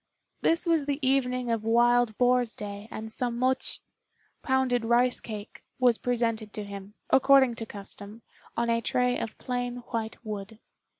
This was the evening of Wild Boar's day, and some mochi (pounded rice cake) was presented to him, according to custom, on a tray of plain white wood.